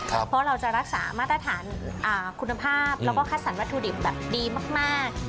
เพราะเราจะรักษามาตรฐานคุณภาพแล้วก็คัดสรรวัตถุดิบแบบดีมาก